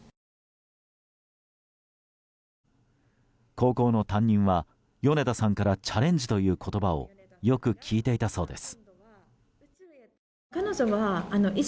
高校の担任は米田さんからチャレンジという言葉をよく聞いていたそうです。